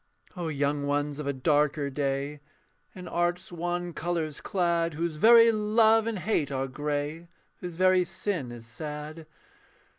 O young ones of a darker day, In art's wan colours clad, Whose very love and hate are grey Whose very sin is sad.